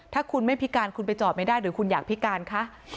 ถ้าคุณไม่พิการคุณไปจอดไม่ได้หรือคุณอยากพิการคะ